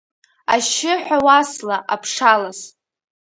Ашьшьыҳәа уасла, аԥшалас…